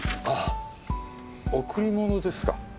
あぁ贈り物ですか？